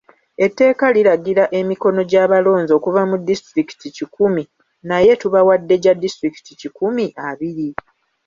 Etteeka liragira emikono gy'abalonzi okuva mu Disitulikiti kikumi naye tubawadde gya Disitulikiti kikumi abiri.